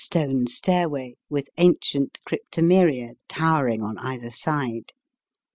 26l Stone stairway, with ancient cryptomeria tower ing on either side.